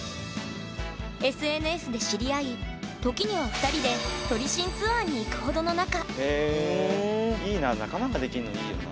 ＳＮＳで知り合い時には２人で撮り信ツアーに行くほどの仲。